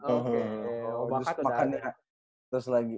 oh makasih udah ada